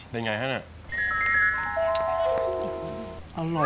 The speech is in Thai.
เป็นอย่างไรฮะนี่